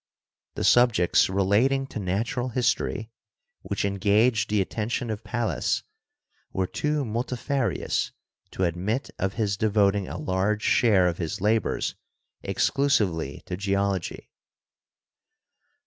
The subjects relating to natural history which engaged the attention of Pallas were too multifarious to admit of his devoting a large share of his labors exclusively to Geology.